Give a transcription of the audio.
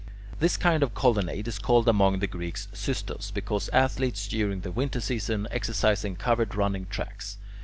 This kind of colonnade is called among the Greeks [Greek: xystos], because athletes during the winter season exercise in covered running tracks.